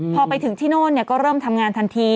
พอไปถึงที่โน่นก็เริ่มทำงานทันที